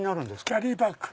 キャリーバッグ。